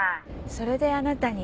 それであなたに伝言を。